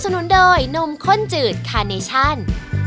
สวัสดีครับเชฟ